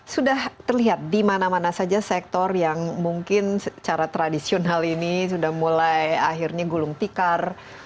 sudah terlihat di mana mana saja sektor yang mungkin secara tradisional ini sudah mulai akhirnya gulung tikar